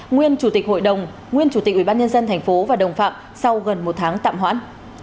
nguyên chủ tịch hội đồng nguyên chủ tịch ubnd tp và đồng phạm sau gần một tháng tạm hoãn